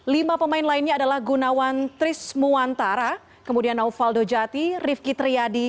lima pemain lainnya adalah gunawan tris muantara kemudian naofaldo jati rifki triadi